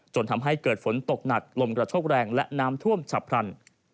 จนทำให้เกิดฝนตกหนักลมกระโชกแรงและน้ำท่วมฉับพลัน